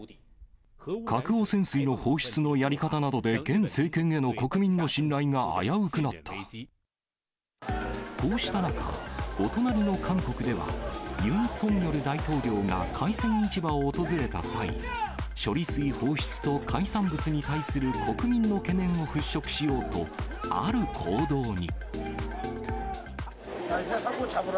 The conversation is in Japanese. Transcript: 核汚染水の放出のやり方などで、現政権への国民の信頼が危うくなこうした中、お隣の韓国では、ユン・ソンニョル大統領が海鮮市場を訪れた際、処理水放出と海産物に対する国民の懸念を払拭しようと、ある行動に。